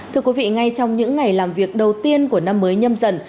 thưa quý vị ngay trong những ngày làm việc đầu tiên của năm mới nhâm dần